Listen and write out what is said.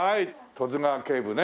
十津川警部ね。